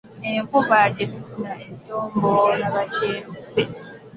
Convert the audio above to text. Enkuba gye tufuna esomboola bakyeruppe.